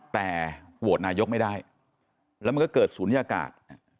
แต่โหวตนายกไม่ได้แล้วมันก็เกิดศูนยากาศ